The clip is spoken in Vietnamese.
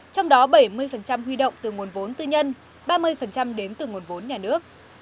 trong đó bảy mươi huy động từ nguồn vốn tư nhân ba mươi đến từ nguồn vốn nhà nước